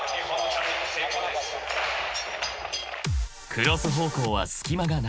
［クロス方向は隙間がない］